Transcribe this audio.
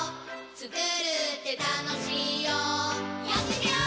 つくるってたのしいよやってみよー！